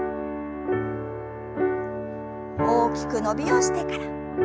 大きく伸びをしてから。